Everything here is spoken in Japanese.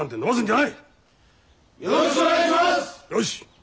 よし。